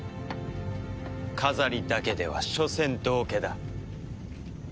飾りだけではしょせん道化だ。